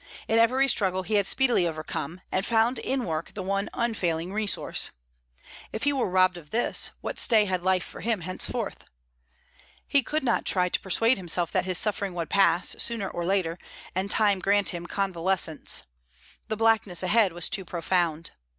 In every struggle he had speedily overcome, and found in work the one unfailing resource. If he were robbed of this, what stay had life for him henceforth? He could not try to persuade himself that his suffering would pass, sooner or later, and time grant him convalescence; the blackness ahead was too profound.